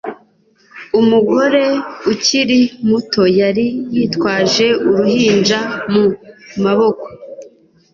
Umugore ukiri muto yari yitwaje uruhinja mu maboko.